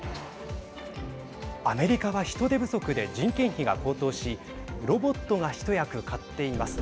アメリカは人手不足で人件費が高騰しロボットが一役買っています。